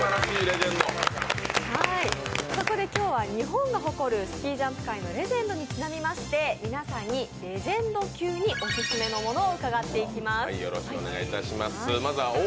そこで今日は日本が誇るスキージャンプ界のレジェンドにちなみまして皆さんに、レジェンド級にオススメのものを伺っていきます。